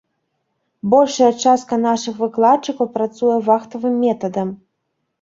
Большая частка нашых выкладчыкаў працуе вахтавым метадам.